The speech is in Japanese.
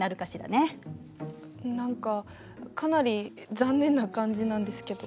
何かかなり残念な感じなんですけど。